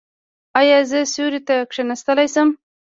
ایا زه سیوري ته کیناستلی شم؟